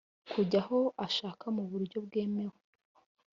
kujya aho ashaka mu buryo bwemewe